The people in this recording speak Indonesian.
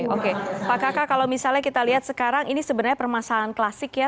oke pak kakak kalau misalnya kita lihat sekarang ini sebenarnya permasalahan klasik ya